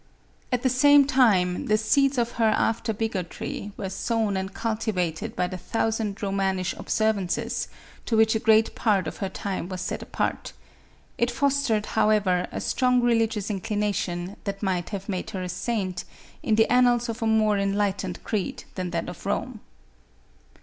At the same time, the seeds of her after bigotry, were sown and cultivated by the thousand Roman ish observances, to which a great part of her time was set apart It fos tered, however, a strong religious inclination that might have made her a saint, in the annals of a more enlight ened creed than that of Rome.